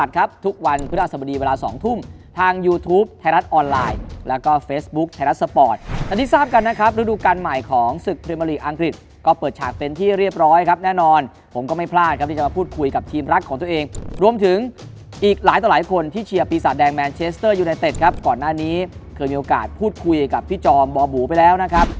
ก่อนหน้านี้เคยมีโอกาสพูดคุยกับพี่จอมบ่อบูไปแล้วนะครับ